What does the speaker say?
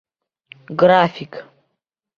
График!